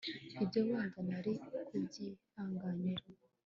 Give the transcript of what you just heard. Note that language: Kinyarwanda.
ibyo wenda nari kubyihanganira